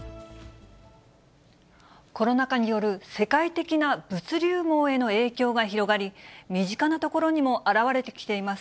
コロナ禍による世界的な物流網への影響が広がり、身近なところにも表れてきています。